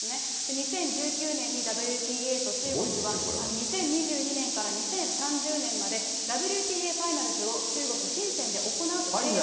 ２０１９年にＷＴＡと中国は、２０２２年から２０３０年まで、ＷＴＡファイナルズを中国・深せんで行うと契約。